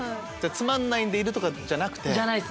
つまんないんでいるとかじゃなくて。